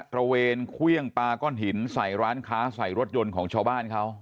ระเวนเครื่องปลาก้อนหินใส่ร้านค้าใส่รถยนต์ของชาวบ้านเขา